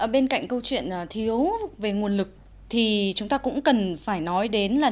bên cạnh câu chuyện thiếu về nguồn lực thì chúng ta cũng cần phải nói đến là